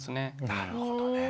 なるほどね。